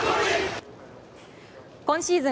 今シーズン